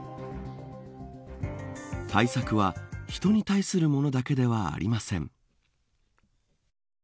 対策は、人に対するものだけではありません。